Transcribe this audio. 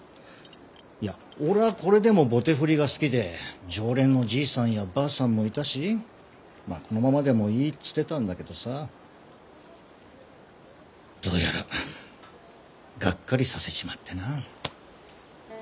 いや俺はこれでも棒手振が好きで常連のじいさんやばあさんもいたしまあこのままでもいいっつってたんだけどさどうやらがっかりさせちまってな。